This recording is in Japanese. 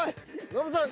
ノブさん